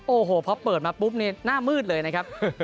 โอ้โหพอเปิดมาปุ๊บนี่หน้ามืดเลยนะครับ